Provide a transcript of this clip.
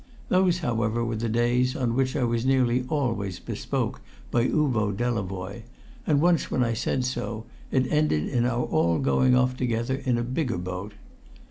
Those, however, were the days on which I was nearly always bespoke by Uvo Delavoye, and once when I said so it ended in our all going off together in a bigger boat.